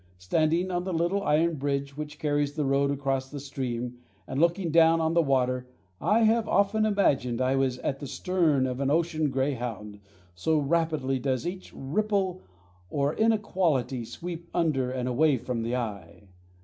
Standing on the little iron bridge which carries the road across the stream and looking down on the water, I have often imagined I was at the stern of an ocean greyhound, so rapidly does each ripple or inequality sweep under and away from the eye.